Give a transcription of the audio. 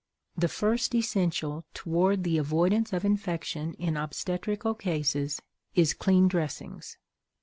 The first essential toward the avoidance of infection in obstetrical cases is clean dressings.